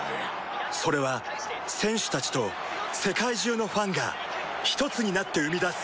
それは選手たちと世界中のファンがひとつになって生み出す